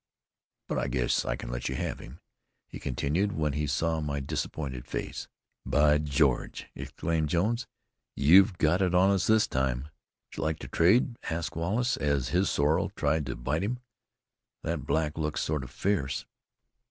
"But I guess I can let you have him," he continued, when he saw my disappointed face. "By George!" exclaimed Jones. "You've got it on us this time." "Would you like to trade?" asked Wallace, as his sorrel tried to bite him. "That black looks sort of fierce."